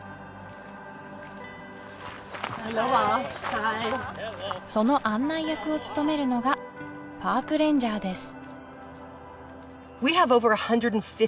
アロハーハイその案内役を務めるのがパークレンジャーです